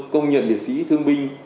công nhận liệt sĩ thương binh